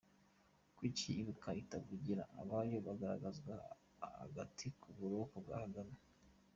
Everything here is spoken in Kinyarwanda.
Kuki Ibuka itavugira ” ababo” bagaraguzwa agati mu buroko bwa Kagame?